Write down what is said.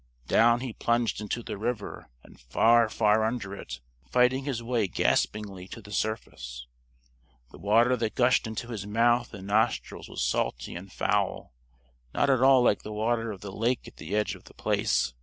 Down he plunged into the river and far, far under it, fighting his way gaspingly to the surface. The water that gushed into his mouth and nostrils was salty and foul, not at all like the water of the lake at the edge of The Place.